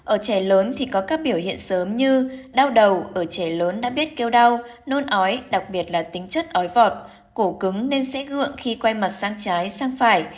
ở trẻ lớn thì có các biểu hiện sớm như đau đầu ở trẻ lớn đã biết kêu đau nôn ói đặc biệt là tính chất ói vọt cổ cứng nên dễ gượng khi quay mặt sang trái sang phải